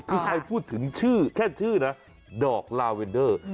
คือใครพูดถึงชื่อแค่ชื่อนะดอกลาเวนเดอร์